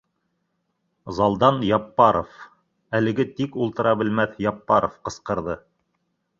Залдан Яппаров, әлеге тик ултыра белмәҫ Яппаров ҡысҡырҙы: